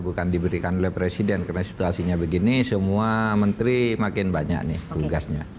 bukan diberikan oleh presiden karena situasinya begini semua menteri makin banyak nih tugasnya